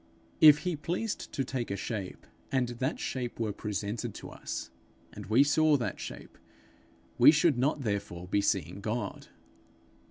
If he pleased to take a shape, and that shape were presented to us, and we saw that shape, we should not therefore be seeing God.